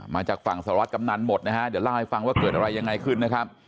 มาจากฝั่งสหรัฐกำนันหมดนะฮะเดี๋ยวเล่าให้ฟังว่าเกิดอะไรยังไงขึ้นนะครับ